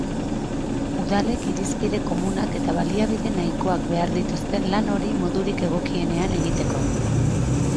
Udalek irizpide komunak eta baliabide nahikoak behar dituzte lan hori modurik egokienean egiteko.